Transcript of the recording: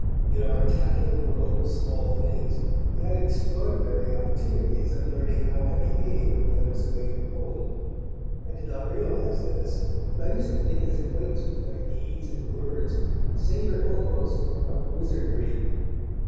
In our tattling world of small things he had extraordinary opportunities of learning how I behaved when I was away from home; I did not realize this, and I used to think his acquaintance with my deeds and words savoured almost of wizardry.